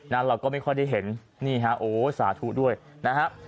เราก็ไม่ค่อยได้เห็นนี่ฮะโอ้สาธุด้วยนะฮะ